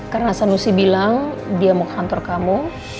karena sanusi bilang dia mau ke kantor kamu